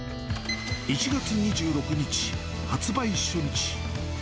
１月２６日、発売初日。